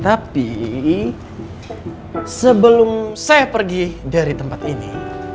tapi sebelum saya pergi dari tempat ini